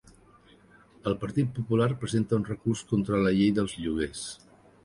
El Partit Popular presenta un recurs contra la llei dels lloguers.